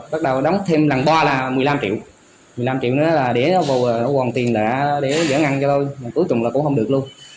bắt đầu đóng thêm lần ba là một mươi năm triệu một mươi năm triệu nữa là để vào quần tiền để giải ngân cho tôi cuối cùng là cũng không được luôn